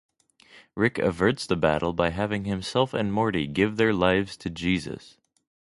Rick averts the battle by having himself and Morty give their lives to Jesus.